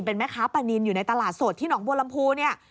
เป็นแม่ค้าปลานินอยู่ในตลาดสดที่หนองบัวลำพูเนี่ย